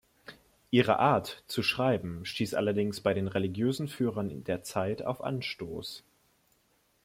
Ihre Art zu schreiben stieß allerdings bei den religiösen Führern der Zeit auf Anstoß.